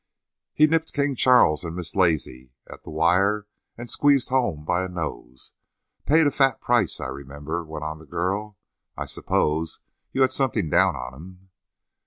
"He nipped King Charles and Miss Lazy at the wire and squeezed home by a nose paid a fat price, I remember," went on the girl. "I suppose you had something down on him?"